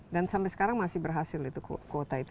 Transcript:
dan sampai sekarang masih berhasil kuota itu